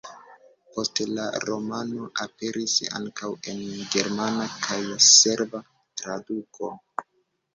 Poste la romano aperis ankaŭ en germana kaj serba traduko.